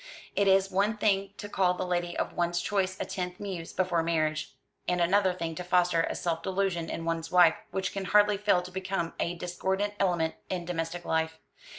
It is one thing to call the lady of one's choice a tenth muse before marriage, and another thing to foster a self delusion in one's wife which can hardly fail to become a discordant element in domestic life.